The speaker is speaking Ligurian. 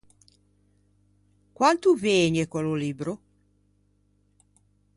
Quant’o vëgne quello libbro?